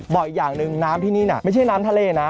บอกอีกอย่างหนึ่งน้ำที่นี่น่ะไม่ใช่น้ำทะเลนะ